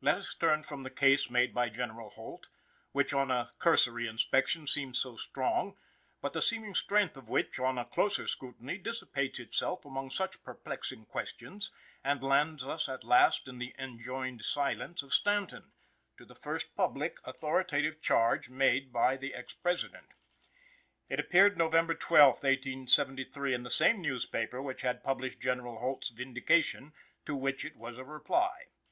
Let us turn from the case made by General Holt, which on a cursory inspection seems so strong, but the seeming strength of which, on a closer scrutiny, dissipates itself among such perplexing questions, and lands us at last in the "enjoined silence" of Stanton, to the first public, authoritative charge made by the ex President. It appeared, November 12th, 1873, in the same newspaper which had published General Holt's Vindication, to which it was a reply.